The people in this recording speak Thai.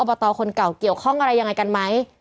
บตคนเก่าเกี่ยวข้องอะไรยังไงกันไหม